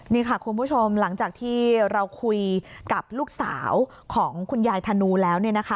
นี่ค่ะคุณผู้ชมหลังจากที่เราคุยกับลูกสาวของคุณยายธนูแล้ว